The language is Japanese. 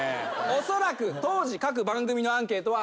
おそらく当時各番組のアンケートは。